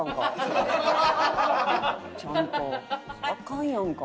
ちゃんとアカンやんか。